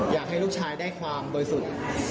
อยากให้ลูกชายได้ความโดยสุด